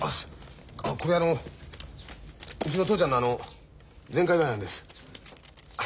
これあのうちの父ちゃんの全快祝なんです。